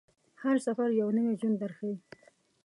هر سفر یو نوی ژوند درښيي.